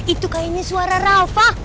itu kayaknya suara raffa